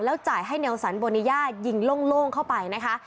จ่ายให้เนลสันโบนิยายิงโล่งเข้าไปนะคะ